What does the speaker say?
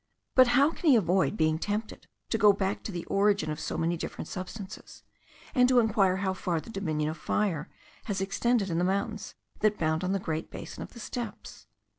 But how can he avoid being tempted to go back to the origin of so many different substances, and to inquire how far the dominion of fire has extended in the mountains that bound the great basin of the steppes?